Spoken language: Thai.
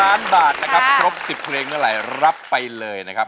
ล้านบาทนะครับครบ๑๐เพลงเมื่อไหร่รับไปเลยนะครับ